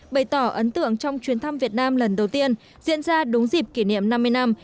bày tỏ ấn tượng trong chuyến thăm việt nam lần đầu tiên diễn ra đúng dịp kỷ niệm năm mươi năm